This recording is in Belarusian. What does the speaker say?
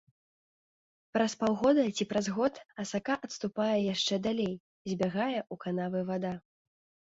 Праз паўгода ці праз год асака адступае яшчэ далей, збягае ў канавы вада.